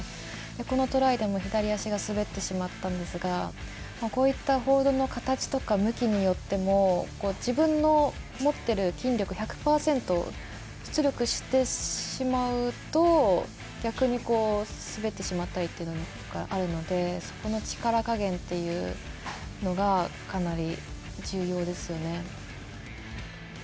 このトライでも左足が滑ってしまったんですがこういったホールドの形とか向きによっても自分の持ってる筋力１００％出力してしまうと逆に滑ってしまったりっていうのがあるのでそこの力加減っていうのがかなり重要ですよね。